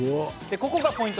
ここがポイント。